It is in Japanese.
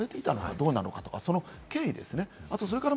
どうなのか、その経緯です。